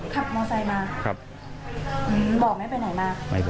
ขับมอเซย์มา